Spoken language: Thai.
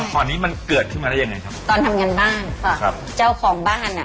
แต่เขาให้ทำเองทุกอย่าง